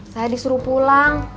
saya disuruh pulang